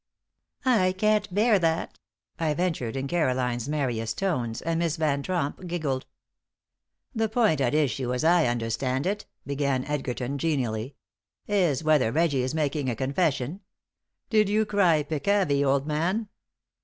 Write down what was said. "I can't bear that," I ventured, in Caroline's merriest tones, and Miss Van Tromp giggled. "The point at issue, as I understand it," began Edgerton, genially, "is whether Reggie is making a confession. Did you cry 'Peccavi!' old man?"